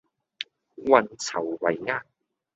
運籌帷幄